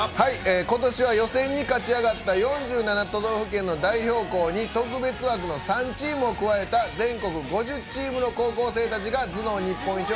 今年は予選に勝ち上がった４７都道府県の代表校に特別枠の３チームを加えた全国５０チームの高校生たちが頭脳日本一を